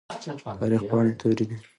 د تاريخ پاڼې تورې دي.